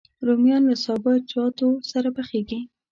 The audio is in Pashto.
رومیان له سابهجاتو سره پخېږي